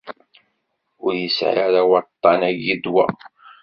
Ur isεi ara waṭṭæn-agi ddwa.